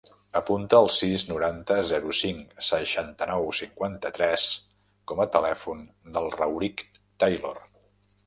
Apunta el sis, noranta, zero, cinc, seixanta-nou, cinquanta-tres com a telèfon del Rauric Taylor.